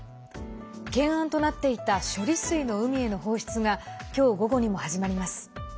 懸案となっていた処理水の海への放出が今日午後にも始まります。